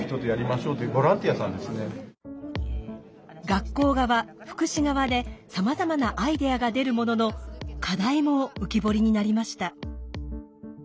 学校側福祉側でさまざまなアイデアが出るものの課題も浮き彫りになりました。